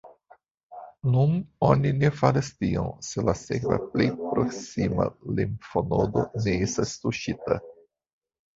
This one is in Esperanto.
Nun oni ne faras tion, se la sekva plej proksima limfonodo ne estas tuŝita.